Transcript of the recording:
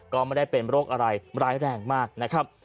ก็ไม่ได้เป็นโรคอะไรร้ายแรงมากนะครับ